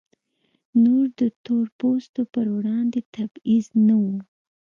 نور د تور پوستو پر وړاندې تبعیض نه و.